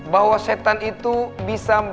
bahwa syaitan itu bisa